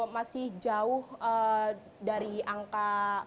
masih jauh dari angka